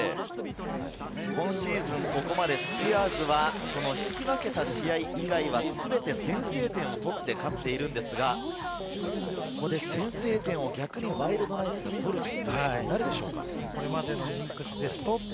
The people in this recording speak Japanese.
今シーズン、ここまでスピアーズは、引き分けた試合以外はすべて先制点を取って勝っているのですが、ここで先制点を逆にワイルドナイツが取るとなるでしょうか？